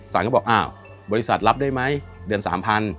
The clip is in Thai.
เขาบอกอ้าวบริษัทรับได้ไหมเดือน๓๐๐